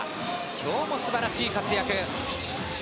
今日も素晴らしい活躍。